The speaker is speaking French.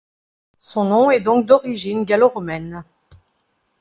Son nom est donc d'origine gallo-romaine.